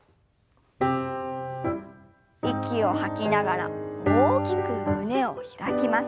息を吐きながら大きく胸を開きます。